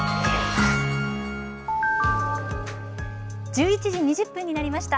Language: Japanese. １１時２０分になりました。